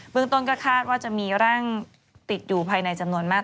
เมืองต้นก็คาดว่าจะมีร่างติดอยู่ภายในจำนวนมาก